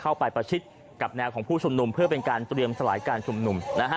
เข้าไปประชิดกับแนวของผู้ชมนุมเพื่อเป็นการเตรียมสลายการชมนุม